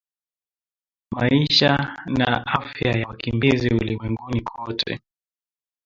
Maisha na Afya za wakimbizi ulimwenguni kote